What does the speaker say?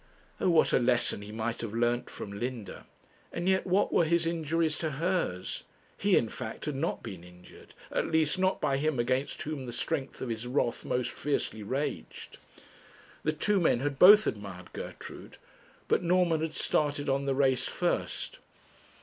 Oh! what a lesson he might have learnt from Linda! And yet what were his injuries to hers? He in fact had not been injured, at least not by him against whom the strength of his wrath most fiercely raged. The two men had both admired Gertrude, but Norman had started on the race first.